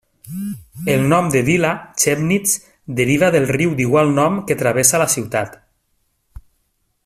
El nom de vila, Chemnitz, deriva del riu d'igual nom que travessa la ciutat.